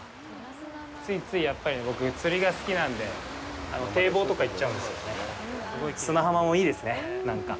ついつい、やっぱり、僕、釣りが好きなので、堤防とかに行っちゃうんですけど、砂浜もいいですね、なんか。